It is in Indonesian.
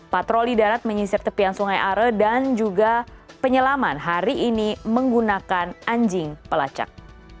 patroli darat menyisir tepian sungai are dan juga penyelaman hari ini menggunakan anjing pelacak